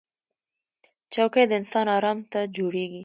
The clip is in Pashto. چوکۍ د انسان ارام ته جوړېږي